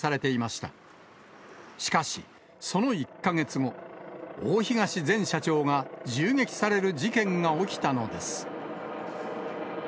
しかし、その１か月後、大東前社長が銃撃される事件が起きたのです。